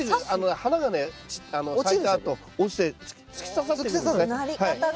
花がね咲いたあと落ちて突き刺さっていくんですね。